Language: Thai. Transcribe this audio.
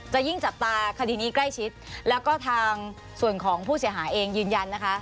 ยิ่งจับตาคดีนี้ใกล้ชิดแล้วก็ทางส่วนของผู้เสียหายเองยืนยันนะคะ